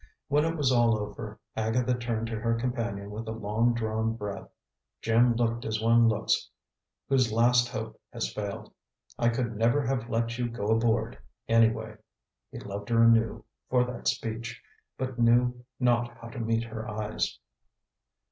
When it was all over Agatha turned to her companion with a long drawn breath. Jim looked as one looks whose last hope has failed. "I could never have let you go aboard, anyway!" He loved her anew for that speech, but knew not how to meet her eyes.